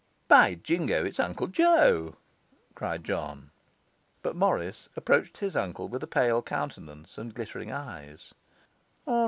'By Jingo, it's Uncle Joe!' cried John. But Morris approached his uncle with a pale countenance and glittering eyes.